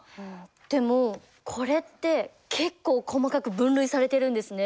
でもこれって結構細かく分類されてるんですね。